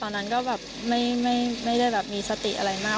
ตอนนั้นก็แบบไม่ได้แบบมีสติอะไรมาก